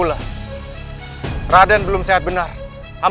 masuklah ke dalam